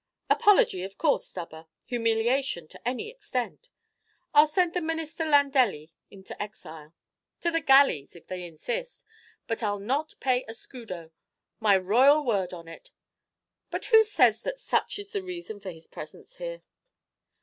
"Apology, of course, Stubber, humiliation to any extent. I'll send the Minister Landelli into exile, to the galleys, if they insist; but I 'll not pay a scudo, my royal word on it! But who says that such is the reason of his presence here?"